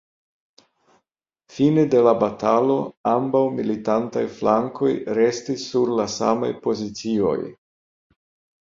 Fine de la batalo ambaŭ militantaj flankoj restis sur la samaj pozicioj.